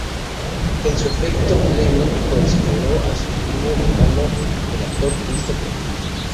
En su defecto Fleming consideró a su primo lejano el actor Christopher Lee.